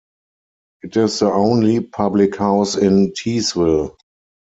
It is the only public house in Teesville.